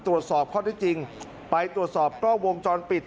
ตรวจสอบข้อที่จริงไปตรวจสอบกล้องวงจรปิด